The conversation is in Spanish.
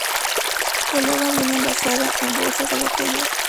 El agua viene envasada, en bolsas o botellas.